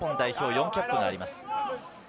４キャップがあります。